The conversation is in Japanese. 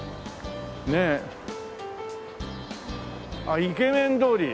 あっ「イケメン通り」。